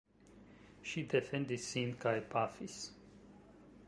Ŝi defendis sin kaj pafis.